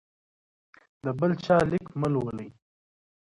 د بل چا لیک مه ولولئ.